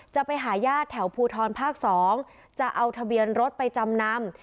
จะไปหาญาติแถวภูทรภาค๒จะเอาทะเบียนรถไปจำนำ